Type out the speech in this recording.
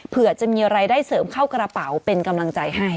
เผื่อจะมีรายได้เสริมเข้ากระเป๋าเป็นกำลังใจให้